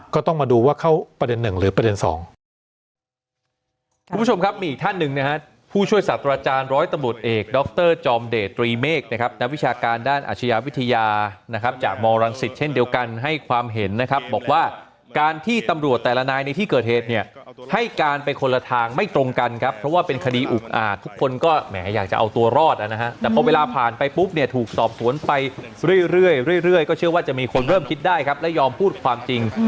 ก็ต้องมาดูว่าเข้าประเด็นหนึ่งหรือประเด็นสอง